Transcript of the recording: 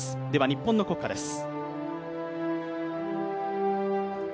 日本の国歌です。